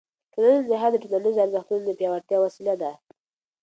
ټولنیز نهاد د ټولنیزو ارزښتونو د پیاوړتیا وسیله ده.